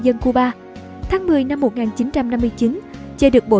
dân cuba tháng một mươi năm một nghìn chín trăm năm mươi chín che được bổ